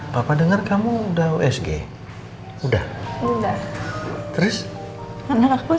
bakalan begitu terus ya ki ya